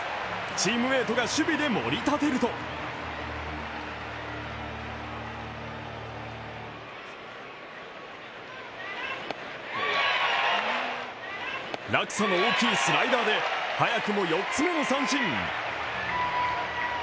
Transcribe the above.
チームメートが守備で盛り立てると落差の大きいスライダーで早くも４つ目の三振。